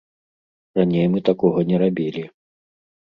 Раней мы такога не рабілі.